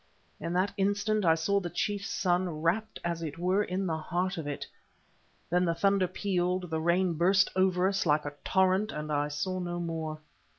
At that instant I saw the chief's son wrapped, as it were, in the heart of it. Then the thunder pealed, the rain burst over us like a torrent, and I saw no more.